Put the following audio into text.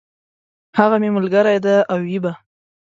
هغه مي ملګری دی او وي به !